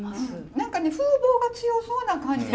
何かね風貌が強そうな感じに見える。